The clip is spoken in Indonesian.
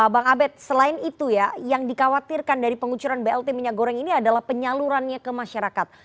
bang abed selain itu ya yang dikhawatirkan dari pengucuran blt minyak goreng ini adalah penyalurannya ke masyarakat